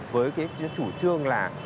với chủ trương là